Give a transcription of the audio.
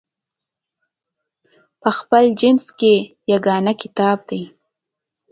په خپل جنس کې یګانه کتاب دی.